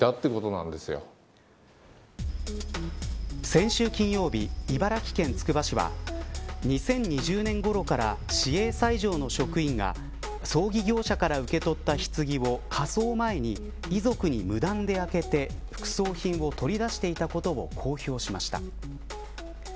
先週金曜日茨城県つくば市は２０２０年ごろから市営斎場の職員が葬儀業者から受け取ったひつぎを火葬前に遺族に無断で開けて副葬品を取り出していたことを公表しました。